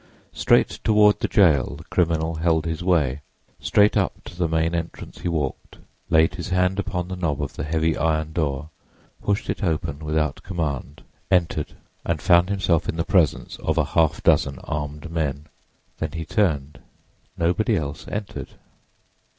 Straight toward the jail the criminal held his way. Straight up to the main entrance he walked, laid his hand upon the knob of the heavy iron door, pushed it open without command, entered and found himself in the presence of a half dozen armed men. Then he turned. Nobody else entered.